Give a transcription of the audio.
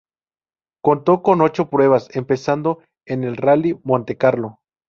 Contó con ocho pruebas, empezando en el Rallye Monte Carlo.